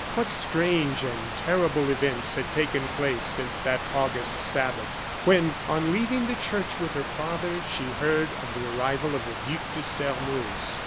What strange and terrible events had taken place since that August Sabbath, when, on leaving the church with her father, she heard of the arrival of the Duc de Sairmeuse.